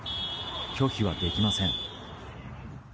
拒否はできません。